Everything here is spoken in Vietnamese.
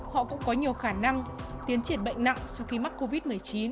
họ cũng có nhiều khả năng tiến triển bệnh nặng sau khi mắc covid một mươi chín